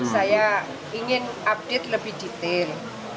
saya ingin update lebih detail